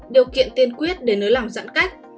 điều kiện tiên quyết để nới lỏng giãn cách